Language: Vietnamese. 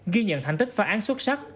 ghi nhận thành tích phá án xuất sắc